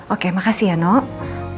oke makasih ya nuk